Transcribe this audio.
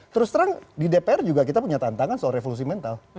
terus terang di dpr juga kita punya tantangan soal revolusi mental